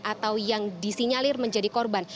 atau yang disinyalir menjadi korban